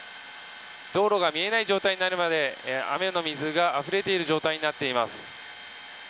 道路が見えない状態になるまで雨の水があふれている状態になっています。